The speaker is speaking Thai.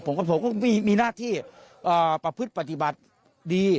ผมกับผมก็มีหน้าที่ประพฤติปฏิบัติดี